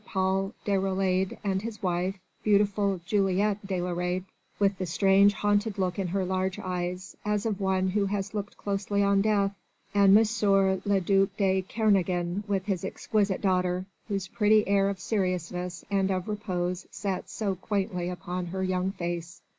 Paul Déroulède and his wife beautiful Juliette Déroulède with the strange, haunted look in her large eyes, as of one who has looked closely on death; and M. le duc de Kernogan with his exquisite daughter, whose pretty air of seriousness and of repose sat so quaintly upon her young face.